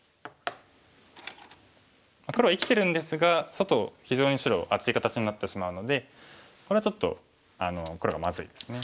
黒生きてるんですが外非常に白厚い形になってしまうのでこれはちょっと黒がまずいですね。